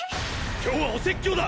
今日はお説教だ！